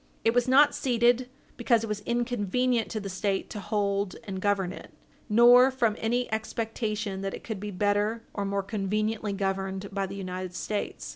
It was not ceded because it was inconvenient to the State to hold and govern it, nor from any expectation that it could be better or more conveniently governed by the United States.